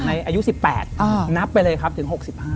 อายุ๑๘นับไปเลยครับถึง๖๕